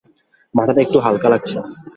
মাথাটা একটু হালকা লাগছে।